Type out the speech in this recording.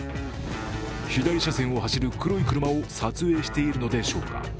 左車線を走る黒い車を撮影しているのでしょうか。